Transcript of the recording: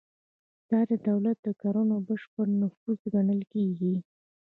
دا د دولت د کړنو بشپړ نفوذ ګڼل کیږي.